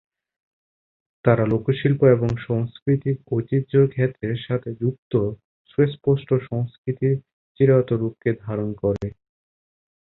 তারা লোকশিল্প এবং সাংস্কৃতিক ঐতিহ্য ক্ষেত্রের সাথে যুক্ত সুস্পষ্ট সংস্কৃতির চিরায়ত রূপকে ধারণ করে।